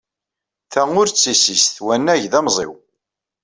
Ta ur d tissist wanag d amẓiw!